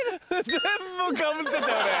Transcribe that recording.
全部かぶってたよあれ。